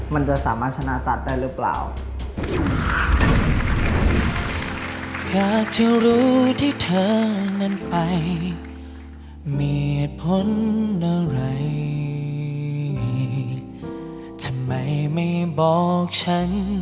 มันจะสามารถชนะตัดได้หรือเปล่า